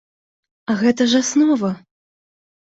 А гэта ж аснова!